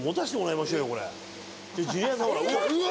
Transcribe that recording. ジュニアさんほらうわうわ